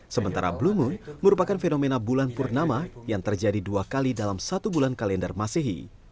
sementara blue moon merupakan fenomena bulan purnama yang terjadi dua kali dalam satu bulan kalender masehi